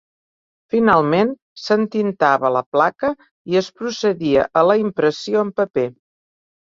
Finalment s'entintava la placa i es procedia a la impressió en paper.